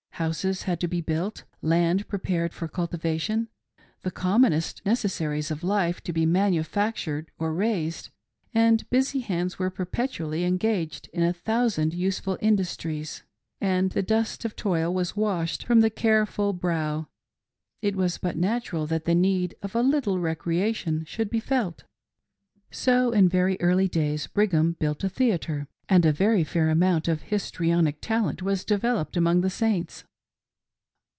Houses had to be built, land prepared for cultivation, the commonest necessaries of life to be manufactured or raised ; and busy hands were perpetually engaged in a thousand useful indus tries. But when the day was over, and the dust of toil was washed from the careful brow, it was but natural that the need of a little recreation should be felt. So in very early days Brigham built a theatre, and a very fair amount of histrionic talent was developed among the Saints.